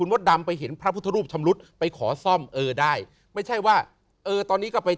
มดดำไปเห็นพระพุทธรูปชำรุดไปขอซ่อมเออได้ไม่ใช่ว่าเออตอนนี้ก็ไป